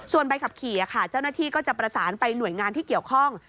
ส่วนใบขับขี่เจ้าหน้าที่ก็จะประสานไปหน่วยงานที่เกี่ยวข้อง